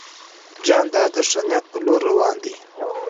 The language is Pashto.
جانداد د ښه نیت په لور روان دی.